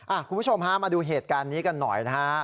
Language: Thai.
คุณผู้ชมฮะมาดูเหตุการณ์นี้กันหน่อยนะฮะ